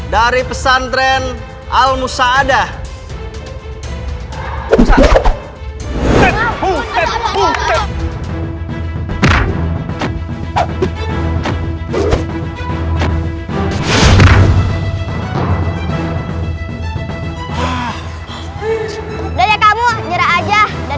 dari pesantren al musa'adah